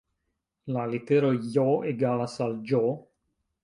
La literoj J egalas al Ĝ